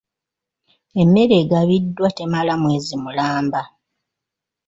Emmere egabiddwa temala mwezi mulamba.